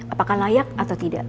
apakah layak atau tidak